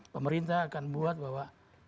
pemerintah akan buat bahwa